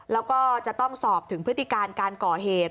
แล้วก็จะต้องสอบถึงพฤติการการก่อเหตุ